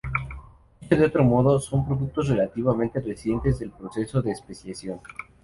Dicho de otro modo, son productos relativamente recientes del proceso de especiación.